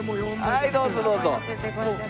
はいどうぞどうぞ。